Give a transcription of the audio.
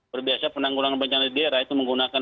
berbiasa penanggulangan bencana di daerah itu menggunakan